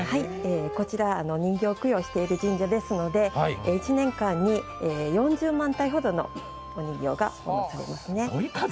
こちらは人形供養をしている神社ですので、１年間に４０万体ほどのお人形が供養されますね。